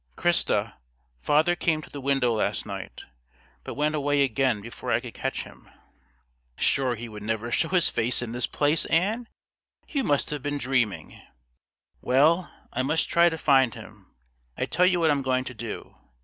"Christa, father came to the window last night, but went away again before I could catch him." "Sure he would never show his face in this place, Ann. You must have been dreaming!" "Well, I must try to find him. I tell you what I'm going to do.